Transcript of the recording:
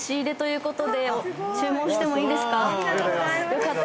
よかった。